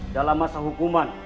dalam masa hukuman